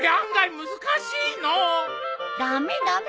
駄目駄目！